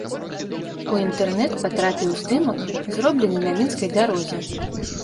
У інтэрнэт патрапіў здымак, зроблены на мінскай дарозе.